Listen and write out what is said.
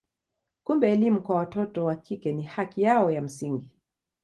Kumbe elimu kwa watoto wa kike ni haki yao ya msingi.